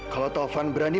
kalau taufan berani